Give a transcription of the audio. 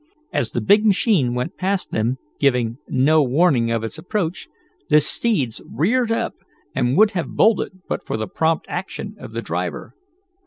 As the big machine went past them, giving no warning of its approach, the steeds reared up, and would have bolted, but for the prompt action of the driver.